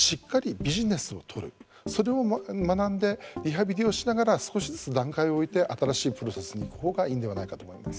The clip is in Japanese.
それを学んでリハビリをしながら少しずつ段階を置いて新しいプロセスに行くほうがいいんではないかと思います。